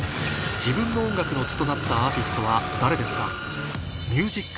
自分の音楽の血となったアーティストは誰ですか？